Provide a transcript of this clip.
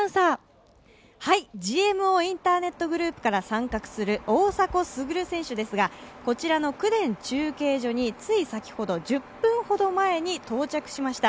ＧＭＯインターネットグループから参画する大迫傑選手ですがこちらの公田中継所につい先ほど１０分ほど前に到着しました。